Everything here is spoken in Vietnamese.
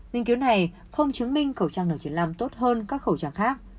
nghiên cứu này không chứng minh khẩu trang n chín mươi năm tốt hơn các khẩu trang khác